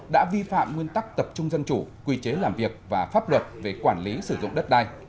đã vi phạm nguyên tắc tập trung dân chủ quy chế làm việc và pháp luật về quản lý sử dụng đất đai